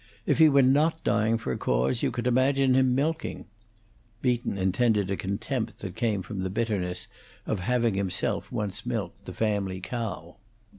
If he were not dying for a cause you could imagine him milking." Beaton intended a contempt that came from the bitterness of having himself once milked the family cow.